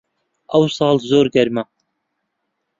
ئەوساڵ زۆر گەرمە